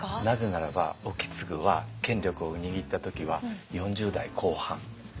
なぜならば意次は権力を握った時は４０代後半。